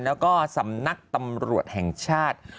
แล้วก็สำนักตำรวจแห่งชาติ